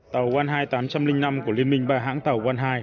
tàu wanhai tám trăm linh năm của liên minh ba hãng tàu wanhai